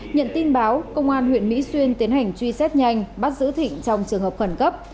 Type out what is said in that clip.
nhận tin báo công an huyện mỹ xuyên tiến hành truy xét nhanh bắt giữ thịnh trong trường hợp khẩn cấp